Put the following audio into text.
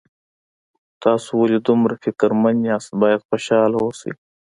تاسو ولې دومره فکرمن یاست باید خوشحاله اوسئ